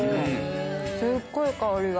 すっごい香りが。